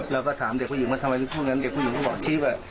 เราก็ถามเด็กผู้หญิงว่าทำไมช่วงนั้นเด็กผู้หญิงเขาบอกชีพว่า